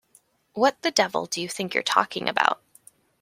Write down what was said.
What the devil do you think you're talking about?